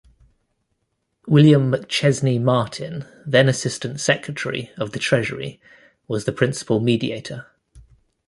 William McChesney Martin, then Assistant Secretary of the Treasury, was the principal mediator.